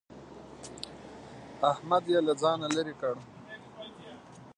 احمد يې له ځانه لرې کړ.